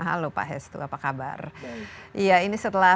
halo pak hestu apa kabar iya ini setelah